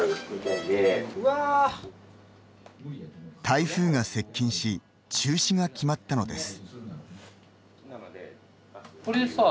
台風が接近し中止が決まったのです。